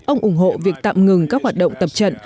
ông ủng hộ việc tạm ngừng các hoạt động tập trận